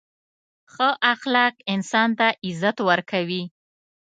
• ښه اخلاق انسان ته عزت ورکوي.